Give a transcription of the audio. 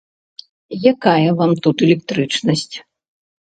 Якая вам тут электрычнасць.